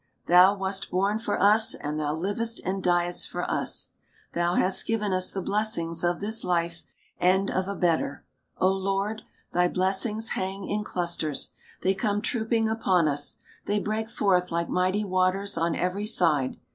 Thou wast born for us, and thou livedst and diedst for us. Thou hast given us the blessings of this life, and of a better. O Lord ! thy blessings hang in clusters ; they come trooping upon us ; they break forth like mighty waters on every side.